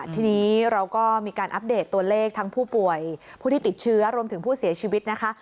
ทีนี้เราก็มีการอัปเดตตัวเลขทั้งผู้ป่วยผู้ที่ติดเชื้อรวมถึงผู้เสียชีวิตนะคะ